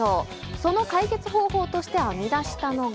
その解決方法として編み出したのは。